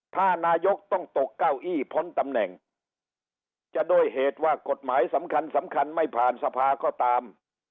ถ้านายกต้องตกเก้าอี้พ้นตำแหน่งจะด้วยเหตุว่ากฎหมายสำคัญสำคัญไม่ผ่านสภาก็ตาม